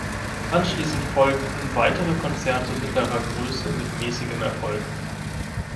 Anschließend folgten weitere Konzerte mittlerer Größe mit mäßigem Erfolg.